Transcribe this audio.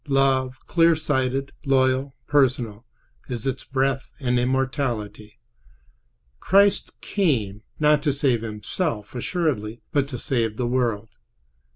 Love, clear sighted, loyal, personal, is its breath and immortality. Christ came, not to save Himself, assuredly, but to save the world.